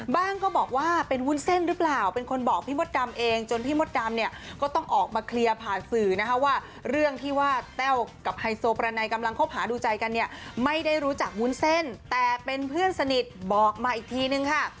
ก็บอกว่าเป็นวุ้นเส้นหรือเปล่าเป็นคนบอกพี่มดดำเองจนพี่มดดำเนี่ยก็ต้องออกมาเคลียร์ผ่านสื่อนะคะว่าเรื่องที่ว่าแต้วกับไฮโซประไนกำลังคบหาดูใจกันเนี่ยไม่ได้รู้จักวุ้นเส้นแต่เป็นเพื่อนสนิทบอกมาอีกทีนึงค่ะ